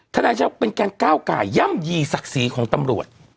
นายชาวเป็นการก้าวไก่ย่ำยีศักดิ์ศรีของตำรวจ